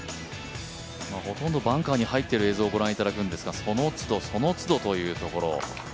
ほとんどバンカーに入っている映像をご覧いただくんですがその都度その都度というところ。